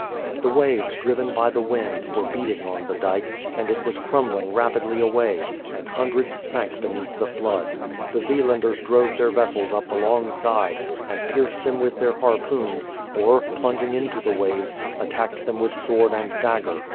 The waves, driven by the wind, were beating on the dyke, and it was crumbling rapidly away, and hundreds sank beneath the flood. The Zeelanders drove their vessels up alongside, and pierced them with their harpoons, or, plunging into the waves, attacked them with sword and dagger.